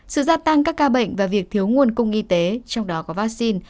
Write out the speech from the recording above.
sự gia tăng các ca bệnh và việc thiếu nguồn cung y tế trong đó có vaccine